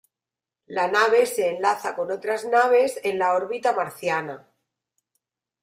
La nave se enlaza con otras naves en la órbita marciana.